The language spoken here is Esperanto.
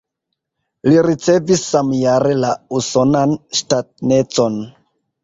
Li ricevis samjare la usonan ŝtatanecon.